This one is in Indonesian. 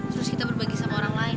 terus kita berbagi sama orang lain